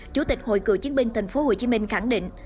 chủ tịch hội cựu chiến binh tp hcm khẳng định